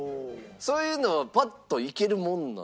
そういうのはパッと行けるもんなんですか？